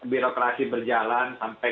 birokrasi berjalan sampai